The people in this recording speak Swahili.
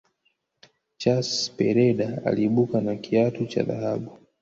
chus pereda aliibuka na kiatu cha dhahabu